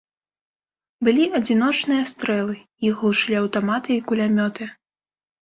Былі адзіночныя стрэлы, і іх глушылі аўтаматы і кулямёты.